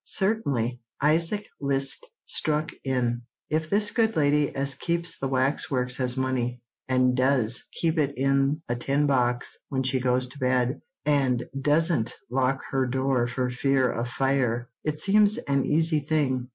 "Certainly," Isaac List struck in. "If this good lady as keeps the wax works has money, and does keep it in a tin box when she goes to bed, and doesn't lock her door for fear of fire, it seems an easy thing."